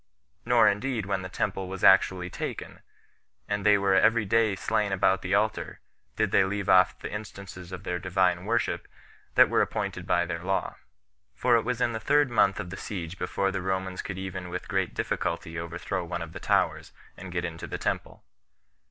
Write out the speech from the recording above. Nor indeed when the temple was actually taken, and they were every day slain about the altar, did they leave off the instances of their Divine worship that were appointed by their law; for it was in the third month of the siege before the Romans could even with great difficulty overthrow one of the towers, and get into the temple.